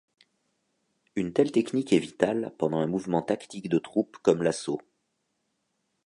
Une telle technique est vitale pendant un mouvement tactique de troupes comme l'assaut.